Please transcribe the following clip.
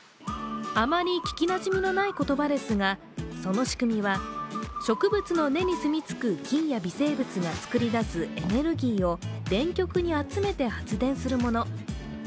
あまり聞きなじみのない言葉ですがその仕組みは、植物の根にすみつく菌や微生物が作り出すエネルギーを電極に集めて発電するもの。